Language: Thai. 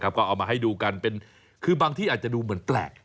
ก็เอามาให้ดูกันเป็นคือบางที่อาจจะดูเหมือนแปลก